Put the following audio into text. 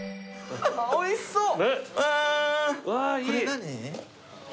うわおいしそう！